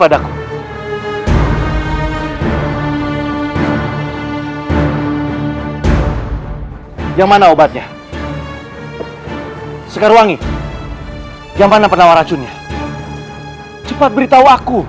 aku yang mana obatnya segar wangi yang mana penawar racunnya cepat beritahu aku